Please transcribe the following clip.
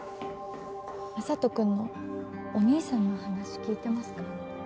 眞人君のお兄さんの話聞いてますか？